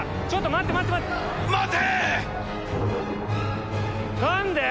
ちょっと待って待って。